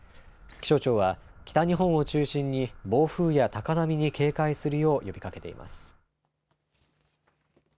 気象庁は北日本を中心に暴風や高波に警戒するよう呼びかけています。